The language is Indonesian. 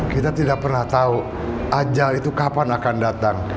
kita tidak pernah tahu ajal itu kapan akan datang